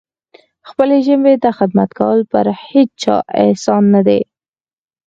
خپلې ژبې ته خدمت کول پر هیچا احسان نه دی.